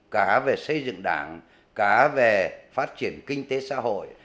cá về xây dựng đảng cá về phát triển kinh tế xã hội